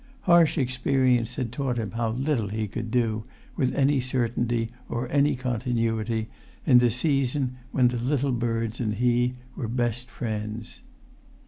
Harsh experience had taught him how little he could do, with any certainty or any continuity, in the season when the little birds and he were best friends.